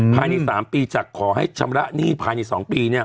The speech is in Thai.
ภายใน๓ปีจากขอให้ชำระหนี้ภายใน๒ปี